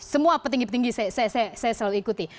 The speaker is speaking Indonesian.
semua petinggi petinggi saya selalu ikuti